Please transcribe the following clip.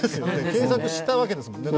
検索したわけですもんね。